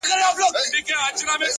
د زړه سکون له سم نیت زېږي